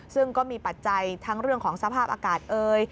ซึ่งก็มีปัจจัยทั้งเรื่องของสภาพอากาศเอ่ย